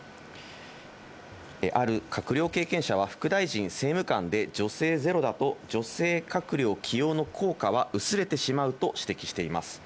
ある閣僚経験者は、副大臣、政務官で女性ゼロだと、女性閣僚起用の効果は薄れてしまうと指摘しています。